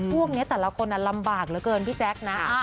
พวกนี้แต่ละคนลำบากเหลือเกินพี่แจ๊คนะ